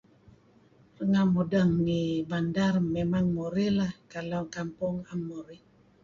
Neh mudeng ngi bandar mimang murih kalau kampong doo' pun murih.